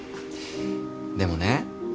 でもね